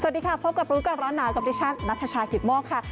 สวัสดีค่ะพบกับปรุ๊กกับร้อนหนาวกับปฏิชัยนัทชาขิดโมกค่ะ